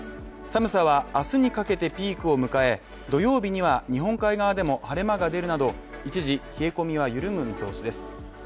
寒さはあすにかけてピークを迎え、土曜日には日本海側でも晴れ間が出るなど、一時、冷え込みは緩む見通しです。